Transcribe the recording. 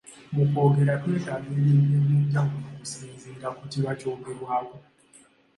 Mu kwogera twetaaga ebintu eby’enjawulo okusinziira ku kiba kyogerwako.